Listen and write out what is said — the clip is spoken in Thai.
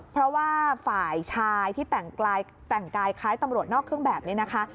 เพราะว่าฝ่ายชายที่แต่งกายคล้ายตำรวจนอกเครื่องแบบนี้นะคะ